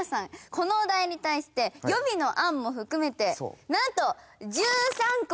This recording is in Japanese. このお題に対して予備の案も含めて何と１３個も！